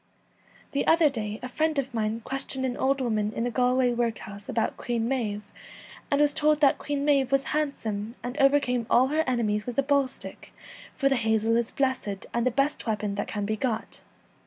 The other day a friend of mine questioned an old woman in a Galway workhouse about Queen Maive, and was told that ' Queen Maive was handsome, and overcame all her enemies with a hazel stick, for the hazel is blessed, and the best weapon that can be got.